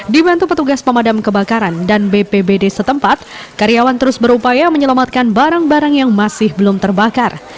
dibantu petugas pemadam kebakaran dan bpbd setempat karyawan terus berupaya menyelamatkan barang barang yang masih belum terbakar